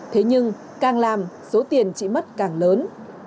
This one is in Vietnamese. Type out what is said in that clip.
thế nhưng càng làm số tiền chị mất càng lớn